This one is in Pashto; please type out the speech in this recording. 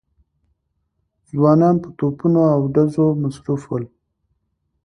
ځوانان په توپونو او ډزو مصروف ول.